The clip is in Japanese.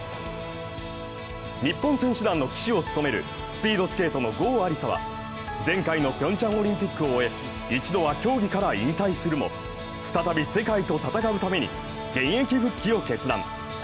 日本選手団の旗手を務めるスピードスケートの郷亜里砂は前回のピョンチャンオリンピックを終え、一度は競技から引退するも再び世界と戦うために現役復帰を決断。